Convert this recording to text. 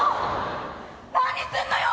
「何すんのよ！？」。